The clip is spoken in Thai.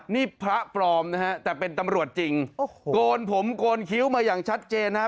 นี่พระปลอมนะฮะแต่เป็นตำรวจจริงโอ้โหโกนผมโกนคิ้วมาอย่างชัดเจนนะฮะ